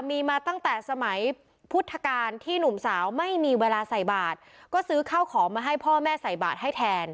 มีมาตั้งแต่สมัยพุทธกาลที่หนุ่มสาวไม่มีเวลาใส่บาทก็ซื้อข้าวของมาให้พ่อแม่ใส่บาทให้แทน